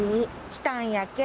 「来たんやけ」